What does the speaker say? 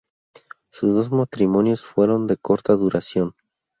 Sus dos matrimonios fueron de corta duración.